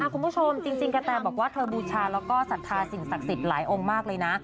คุณผู้ชมจริงกระแตบอกว่าเธอบูชาแล้วก็ศรัทธาสิ่งศักดิ์สิทธิ์หลายองค์มากเลยนะ